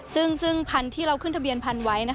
ซึ่งพันธุ์ที่เราขึ้นทะเบียนพันธุ์ไว้